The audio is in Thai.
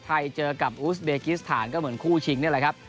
เจอกับอูสเบกิสถานก็เหมือนคู่ชิงนี่แหละครับ